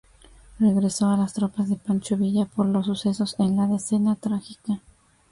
Regresó a las tropas de Pancho Villa por los sucesos en la Decena Trágica.